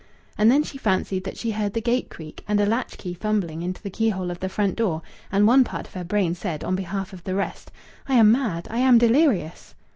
And then she fancied that she heard the gate creak, and a latch key fumbling into the keyhole of the front door. And one part of her brain said on behalf of the rest: "I am mad. I am delirious."